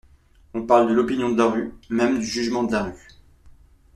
On parle de l’opinion de la rue, même du jugement de la rue.